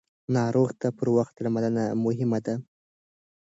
ناروغ ته پر وخت درملنه مهمه ده.